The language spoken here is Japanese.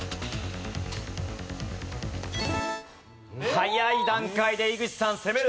早い段階で井口さん攻める。